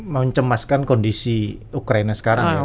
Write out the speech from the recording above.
mencemaskan kondisi ukraina sekarang ya